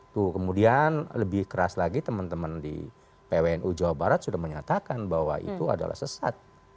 tuh kemudian lebih keras lagi teman teman di pwnu jawa barat sudah menyatakan bahwa itu adalah sesat